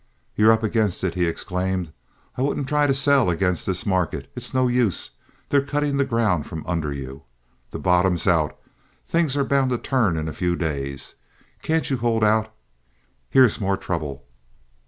"You're up against it," he exclaimed. "I wouldn't try to sell against this market. It's no use. They're cutting the ground from under you. The bottom's out. Things are bound to turn in a few days. Can't you hold out? Here's more trouble."